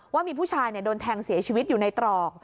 ว่ามีผู้ชายโดนแทงเสียชีวิตอยู่ในตรอก